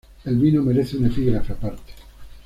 El vino merece un epígrafe aparte.